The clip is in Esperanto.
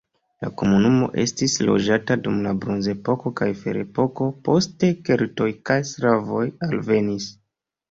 La komunumo estis loĝata dum la bronzepoko kaj ferepoko, poste keltoj kaj slavoj alvenis.